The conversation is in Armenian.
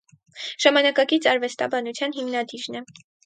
Ժամանակակից արվեստաբանության հիմնադիրն է։